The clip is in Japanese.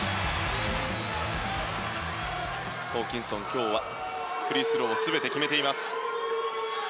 ホーキンソン今日はフリースローを全て決めています。